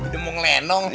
dia mau ngelenong